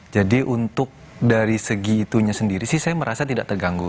jadi untuk dari segitunya sendiri sih saya merasa tidak terganggu